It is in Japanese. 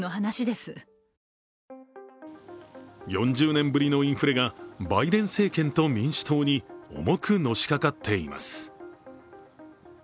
４０年ぶりのインフレがバイデン政権と民主党に重くのしかかっています。